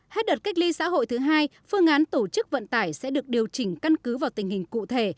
hết đợt cách ly xã hội thứ hai phương án tổ chức vận tải sẽ được điều chỉnh căn cứ vào tình hình cụ thể